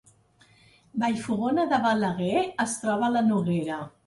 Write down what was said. Vallfogona de Balaguer es troba a la Noguera